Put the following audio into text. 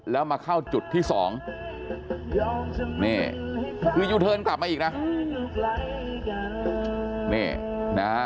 แล้วมาเข้าจุดที่สองนี่คือยูเทิร์นกลับมาอีกนะนี่นะฮะ